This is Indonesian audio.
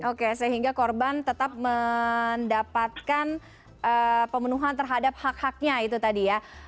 oke sehingga korban tetap mendapatkan pemenuhan terhadap hak haknya itu tadi ya